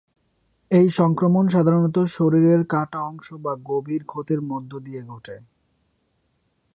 এই সংক্রমণ সাধারণত শরীরের কাটা অংশ বা গভীর ক্ষতের মধ্য দিয়ে ঘটে।